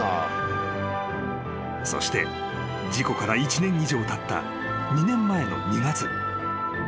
［そして事故から１年以上たった２年前の２月］